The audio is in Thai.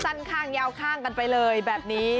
สั้นข้างยาวข้างกันไปเลยแบบนี้